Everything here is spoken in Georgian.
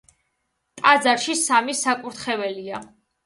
ტაძარში სამი საკურთხეველია.